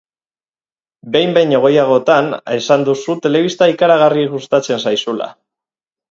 Behin baino gehiagotan esan duzu telebista ikaragarri gustatzen zaizula.